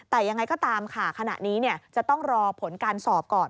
แต่ยังไงก็ตามค่ะขณะนี้จะต้องรอผลการสอบก่อน